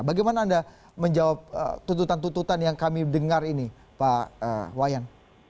bagaimana anda menjawab tuntutan tuntutan yang kami dengar ini pak wayan